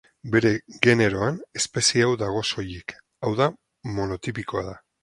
Bere generoan, espezie hau dago soilik, hau da monotipikoa da.